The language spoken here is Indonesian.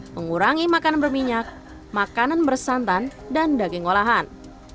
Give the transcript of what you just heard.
mengurangi makanan berminyak makanan bersantan dan daging olahan